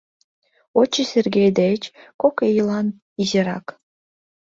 Очи Сергей деч кок ийлан изирак.